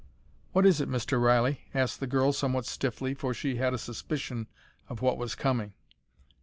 "What is it Mr Reilly?" asked the girl somewhat stiffly, for she had a suspicion of what was coming.